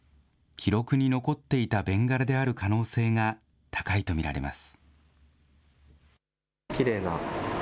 記録に残っていた弁柄である可能性が高いと見られます。